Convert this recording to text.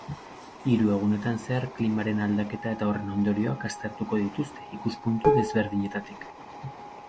Hiru egunetan zehar klimaren aldaketa eta horren ondorioak aztertuko dituzte, ikuspuntu desberdinetatik.